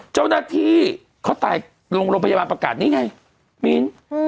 เจ้าหน้าที่เขาตายโรงพยาบาลประกาศนี่ไงมิ้น